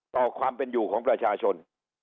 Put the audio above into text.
ต่อความเป็นอยู่ของประชาชน